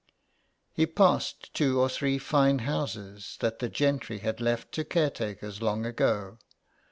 He passed two or three fine houses that the gentry had left to caretakers long ago.